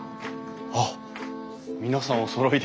あっ皆さんおそろいで。